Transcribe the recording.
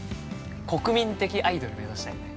国民的アイドル目指したいね。